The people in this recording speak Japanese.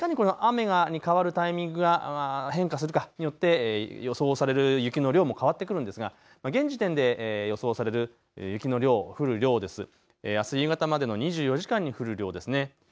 いかに雨に変わるタイミングが変化するかによって予想される雪の量も変わってくるんですが、現時点で予想される雪の量、あす夕方までの２４時間に降る量ですね。